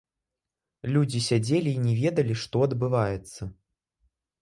Людзі сядзелі і не ведалі, што адбываецца.